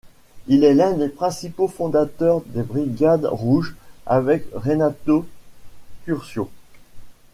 Il est l'un des principaux fondateurs des Brigades rouges avec Renato Curcio.